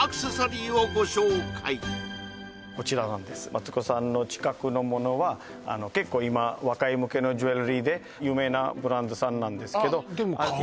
マツコさんの近くのものは結構今若い向けのジュエリーで有名なブランドさんなんですけどあっ